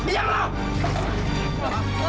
mas ada anggur mas